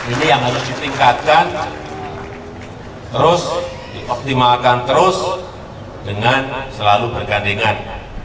ini yang harus ditingkatkan terus dioptimalkan terus dengan selalu bergandengan